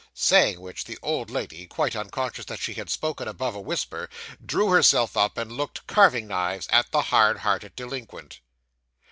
Saying which, the old lady, quite unconscious that she had spoken above a whisper, drew herself up, and looked carving knives at the hard headed delinquent.